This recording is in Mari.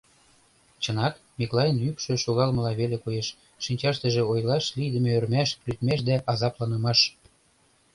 Чынак, Миклайын ӱпшӧ шогалмыла веле коеш, шинчаштыже ойлаш лийдыме ӧрмаш, лӱдмаш да азапланымаш.